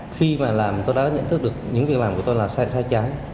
khi mà làm tôi đã nhận thức được những việc làm của tôi là sai sai trái